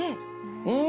うん！